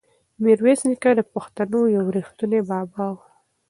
میرویس نیکه د پښتنو یو ریښتونی بابا و.